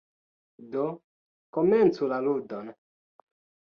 Do, komencu la ludon!